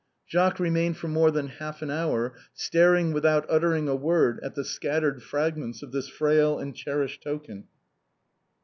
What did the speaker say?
Jacques remained for more than half an hour staring without uttering a word at the scattered fragments of this frail and cherished token.